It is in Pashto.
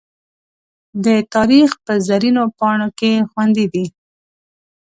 د تاریخ په زرینو پاڼو کې خوندي دي.